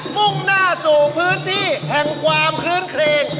มุ่งหน้าสู่พื้นที่แห่งความคลื้นเครง